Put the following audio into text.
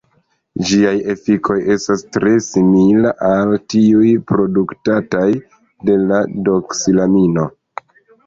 Ĝiaj efikoj estas tre simila al tiuj produktataj de la doksilamino.